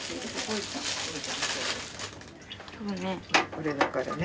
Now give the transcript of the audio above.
これだからね。